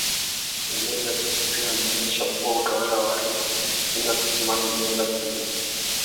Maelezo ya historia yanaonyesha kuwa utawala wa Wareno Kilwa kisiwani ulianza kuyumba